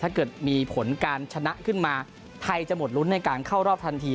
ถ้าเกิดมีผลการชนะขึ้นมาไทยจะหมดลุ้นในการเข้ารอบทันที